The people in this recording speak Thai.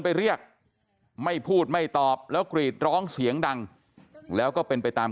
ไปเรียกไม่พูดไม่ตอบแล้วกรีดร้องเสียงดังแล้วก็เป็นไปตาม